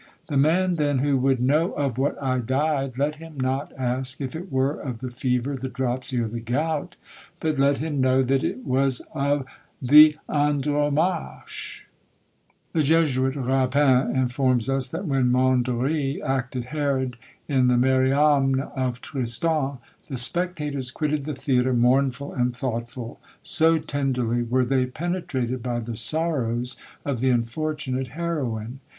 The man then who would know of what I died, let him not ask if it were of the fever, the dropsy, or the gout; but let him know that it was of the Andromache!" The Jesuit Rapin informs us, that when Mondory acted Herod in the Mariamne of Tristan, the spectators quitted the theatre mournful and thoughtful; so tenderly were they penetrated with the sorrows of the unfortunate heroine.